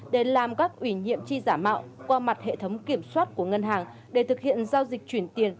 để làm các ủy nhiệm chi giả mạo qua mặt hệ thống kiểm soát của ngân hàng để thực hiện giao dịch chuyển tiền